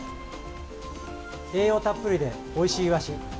栄養たっぷりでおいしいイワシ。